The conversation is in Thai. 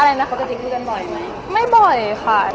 อะไรนะเขาจะได้คุยกันบ่อยไหม